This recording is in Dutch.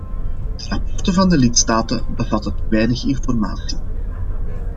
De rapporten van de lidstaten bevatten te weinig informatie.